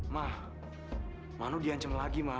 ma mano di ancam lagi ma